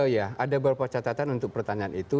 ya ada beberapa catatan untuk pertanyaan itu